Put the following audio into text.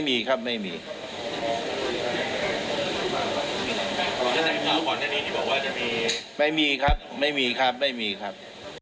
ไม่มีครับไม่มีครับไม่มีครับ